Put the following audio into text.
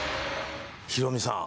ヒロミさん